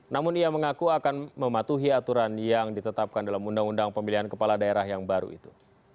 namun ia mengaku akan mematuhi aturan yang ditetapkan dalam undang undang pemilihan kepala daerah yang baru itu